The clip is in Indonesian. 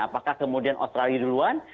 apakah kemudian australia duluan